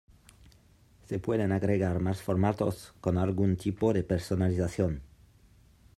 Se pueden agregar más formatos con algún tipo de personalización.